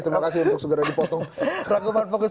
terima kasih untuk segera dipotong rangkuman fokus